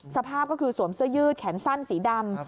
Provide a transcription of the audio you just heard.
สภาพก็คือสวมเสื้อยืดแขนสั้นสีดำ